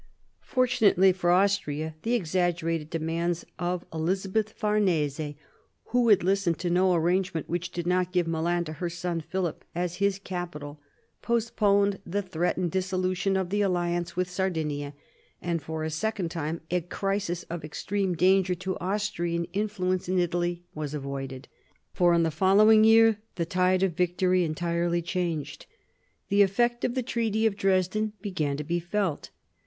Fortunately for Austria, the exaggerated demands of Elizabeth Farnese, who would listen to no arrangement which did not give Milan to her son Philip as his capital, postponed the threatened dissolution of the alliance with Sardinia; and for a second time a crisis of extreme danger to Austrian influence in Italy was avoided ; for in the following year the tide of victory entirely changed. The effect of the Treaty of Dresden began to be felt.